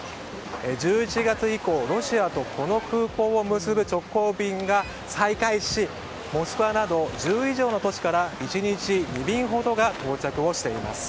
１１月以降、ロシアとこの空港を結ぶ直行便が再開しモスクワなど１０以上の都市から１日２便ほどが到着しています。